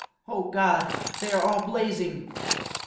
— Oh God ! They are all blazing